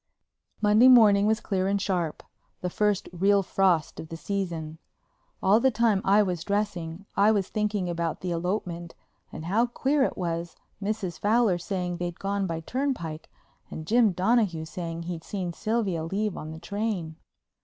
Monday morning was clear and sharp, the first real frost of the season. All the time I was dressing I was thinking about the elopement and how queer it was Mrs. Fowler saying they'd gone by turnpike and Jim Donahue saying he'd seen Sylvia leave on the train.